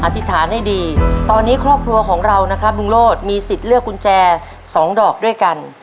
ธิษฐานให้ดีตอนนี้ครอบครัวของเรานะครับลุงโลศมีสิทธิ์เลือกกุญแจสองดอกด้วยกัน